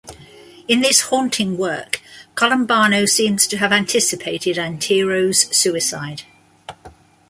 In this haunting work Columbano seems to have anticipated Antero's suicide.